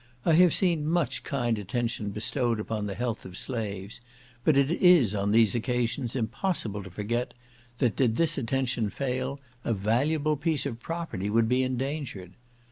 I have seen much kind attention bestowed upon the health of slaves; but it is on these occasions impossible to forget, that did this attention fail, a valuable piece of property would be endangered.